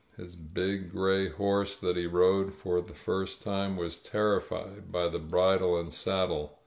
His big gray horse that he rode for the first time was terrified by the bridle and saddle.